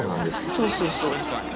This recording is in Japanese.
そうそうそう。